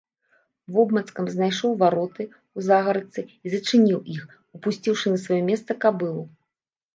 Вобмацкам знайшоў вароты ў загарадцы й зачыніў іх, упусціўшы на сваё месца кабылу.